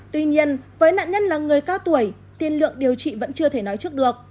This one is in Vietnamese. tuy nhiên với nạn nhân là người cao tuổi tiên lượng điều trị vẫn chưa thể nói trước được